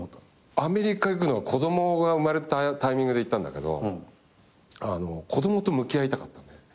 アメリカ行くのは子供が生まれたタイミングで行ったんだけど子供と向き合いたかった。